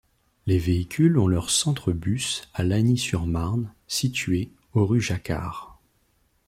Les véhicules ont leur centre-bus à Lagny-sur-Marne, situé au rue Jacquard.